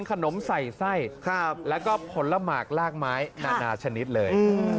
คุณขนมใส่แล้วก็ผลมากรากไม้หนาชนิดเลย